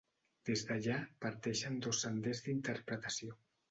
Des d'allà, parteixen dos senders d'interpretació.